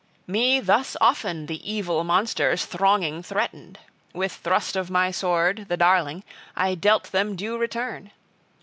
IX ME thus often the evil monsters thronging threatened. With thrust of my sword, the darling, I dealt them due return!